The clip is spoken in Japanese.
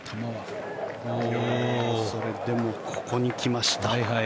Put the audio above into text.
それでもここに来ました。